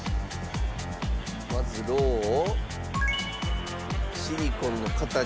まずろうを。